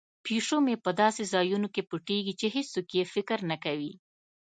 پیشو مې په داسې ځایونو کې پټیږي چې هیڅوک یې فکر نه کوي.